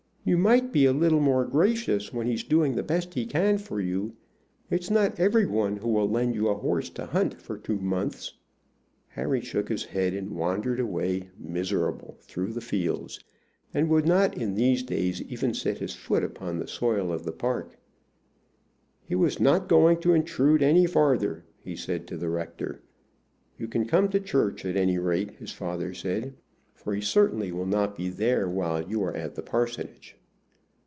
"You might be a little more gracious when he's doing the best he can for you. It is not every one who will lend you a horse to hunt for two months." Harry shook his head, and wandered away miserable through the fields, and would not in these days even set his foot upon the soil of the park. "He was not going to intrude any farther," he said to the rector. "You can come to church, at any rate," his father said, "for he certainly will not be there while you are at the parsonage."